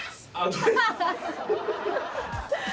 ハハハハ！